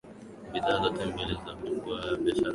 bidhaa zote mbili ni jukwaa la biashara bora